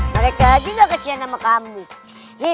mereka juga kesian sama kami